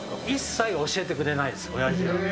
一切教えてくれないです、おやじは。